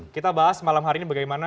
kita bahas malam hari ini bagaimana